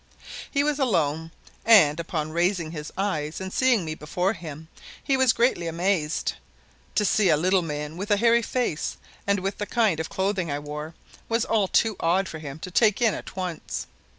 He was alone and, upon raising his eyes and seeing me before him, he was greatly amazed. To see a little man with a hairy face and with the kind of clothing I wore, was all too odd for him to take in at once.